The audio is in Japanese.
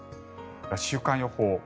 週間予報。